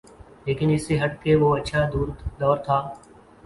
لیکن اس سے ہٹ کے وہ اچھا دور تھا۔